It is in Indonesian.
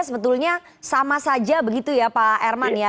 sebetulnya sama saja begitu ya pak herman ya